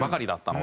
「の」。